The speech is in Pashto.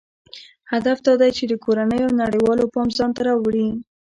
هدف دا دی چې د کورنیو او نړیوالو پام ځانته راواړوي.